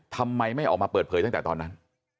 ทำไมไม่ออกมาเปิดเผยตั้งแต่ตอนนั้น